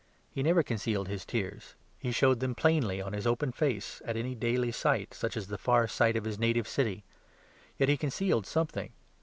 He never concealed His tears; He showed them plainly on His open face at any daily sight, such as the far sight of His native city. Yet He concealed something.